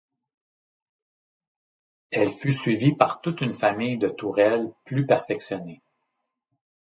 Elle fut suivie par toute une famille de tourelles plus perfectionnées.